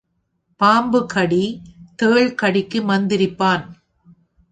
பாம்புகடி, தேள் கடிக்கு மந்திரிப்பான்.